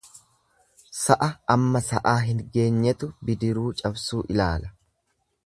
Sa'a amma sa'aa hin geenyetu bidiruu cabsuu ilaala.